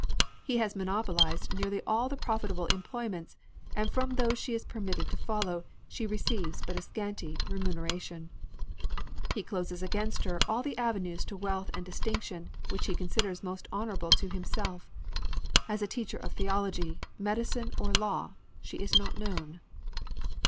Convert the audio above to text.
He has monopolized nearly all the profitable employments, and from those she is permitted to follow, she receives but a scanty remuneration. He closes against her all the avenues to wealth and distinction which he considers most honorable to himself. As a teacher of theology, medicine, or law, she is not known.